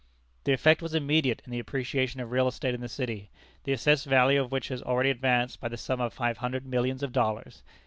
The effect was immediate in the appreciation of real estate in the city, the assessed value of which has already advanced by the sum of five hundred millions of dollars!